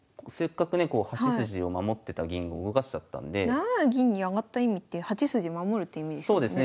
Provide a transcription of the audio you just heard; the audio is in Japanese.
７七銀に上がった意味って８筋守るって意味ですよね？